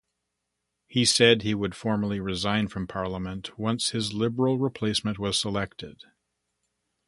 He said he would formally resign from parliament once his Liberal replacement was selected.